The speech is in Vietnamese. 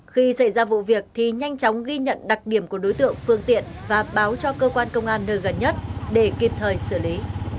khi xảy ra vụ việc thì nhanh chóng ghi nhận đặc điểm của đối tượng phương tiện và báo cho cơ quan công an nơi gần nhất để kịp thời xử lý